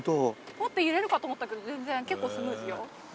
もっと揺れるかと思ったけど全然結構スムーズよ。